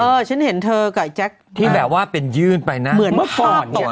เออฉันเห็นเธอกับไอ้แจ๊คที่แบบว่าเป็นยืนไปนะเหมือนภาพตัวเนี่ย